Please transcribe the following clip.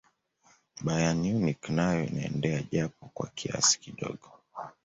bayern munich nayo inaendea japo kwa kiasi kidogo